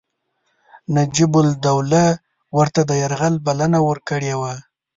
نجیب الدوله ورته د یرغل بلنه ورکړې وه.